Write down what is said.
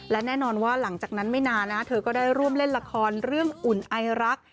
และแน่นอนว่าหลังจากนั้นไม่นานนะเธอก็ได้ร่วมเล่นละครเรื่องอุ่นไอรัก